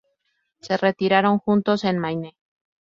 Se retiraron juntos en Maine.